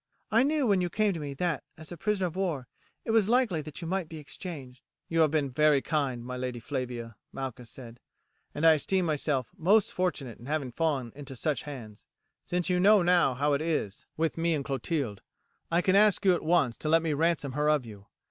I knew when you came to me that, as a prisoner of war, it was likely that you might be exchanged." "You have been very kind, my Lady Flavia," Malchus said, "and I esteem myself most fortunate in having fallen into such hands. Since you know now how it is with me and Clotilde, I can ask you at once to let me ransom her of you.